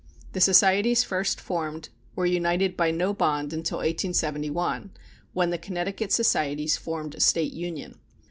The societies first formed were united by no bond until 1871, when the Connecticut societies formed a State Union.